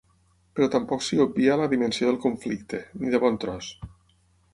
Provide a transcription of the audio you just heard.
Però tampoc s’hi obvia la dimensió del conflicte, ni de bon tros.